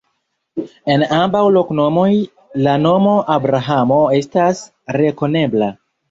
En ambaŭ loknomoj la nomo Abrahamo estas rekonebla.